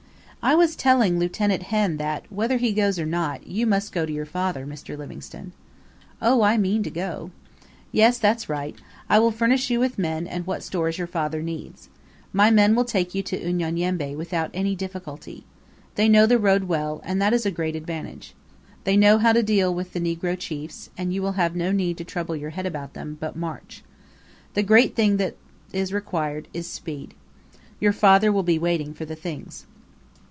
"I was telling Lieut. Henn that, whether he goes or not, you must go to your father, Mr. Livingstone." "Oh, I mean to go." "Yes, that's right. I will furnish you with men and what stores your father needs. My men will take you to Unyanyembe without any difficulty. They know the road well, and that is a great advantage. They know how to deal with the negro chiefs, and you will have no need to trouble your head about them, but march. The great thing that is required is speed. Your father will be waiting for the things."